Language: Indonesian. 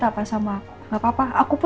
saat jijik kabur malah biraz burger